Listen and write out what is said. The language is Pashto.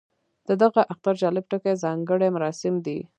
د دغه اختر جالب ټکی ځانګړي مراسم دي.